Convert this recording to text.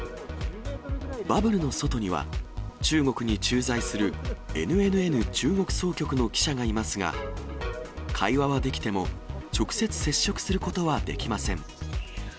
バブルの外には、中国に駐在するＮＮＮ中国総局の記者がいますが、会話はできても、直接、接触することはできません。